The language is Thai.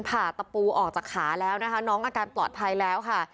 ผ่าตะปูออกจากขาแล้วนะคะน้องอาการปลอดภัยแล้วค่ะ